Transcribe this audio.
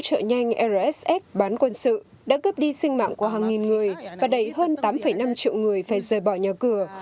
hỗ trợ nhanh rsf bán quân sự đã cướp đi sinh mạng của hàng nghìn người và đẩy hơn tám năm triệu người phải rời bỏ nhà cửa